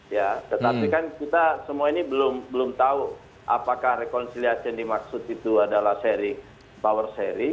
ya tetapi kan kita semua ini belum tahu apakah rekonsiliasi yang dimaksud itu adalah sharing power sharing